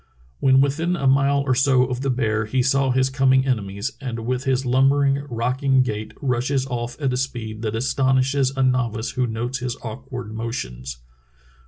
When within a mile or so of the bear he saw his coming 320 True Tales of Arctic Heroism enemies, and with his lumbering, rocking gait rushes off at a speed that astonishes a novice who notes his awk ward motions.